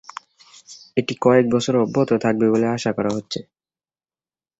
এটি কয়েক বছর অব্যাহত থাকবে বলে আশা করা হচ্ছে।